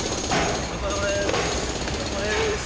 お疲れさまです。